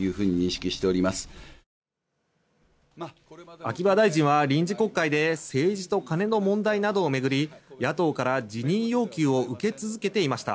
秋葉大臣は臨時国会で政治と金の問題などを巡り野党から辞任要求を受け続けていました。